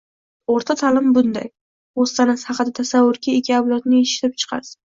O‘rta ta’lim bunday – o‘z tanasi haqida tasavvurga ega avlodni yetishtirib chiqarsa